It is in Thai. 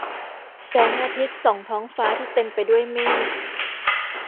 แสงอาทิตย์ส่องท้องฟ้าที่เต็มไปด้วยเมฆ